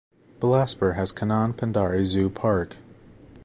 Bilaspur has Kanan Pendari Zoo Park.